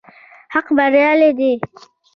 حق بريالی دی